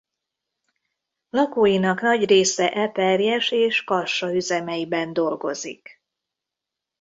Lakóinak nagy része Eperjes és Kassa üzemeiben dolgozik.